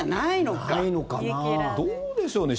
どうでしょうね。